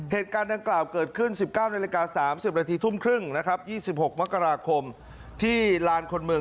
เหตุการณ์ดังกล่าวเกิดขึ้น๑๙นน๓๐นทุ่มครึ่ง๒๖มที่ลานคนเมือง